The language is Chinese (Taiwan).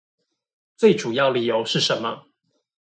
最主要理由是什麼？